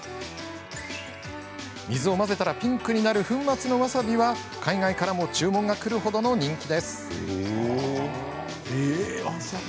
水を混ぜたらピンクになる粉末のわさびは海外からも注文がくるほどの人気です。